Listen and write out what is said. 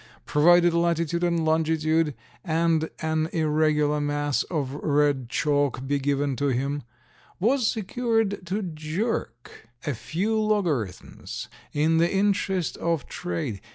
provided latitude and longitude and an irregular mass of red chalk be given to him, was secured to jerk a few logarithms in the interests of trade.